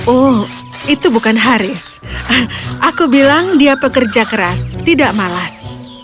oh itu bukan haris aku bilang dia pekerja keras tidak malas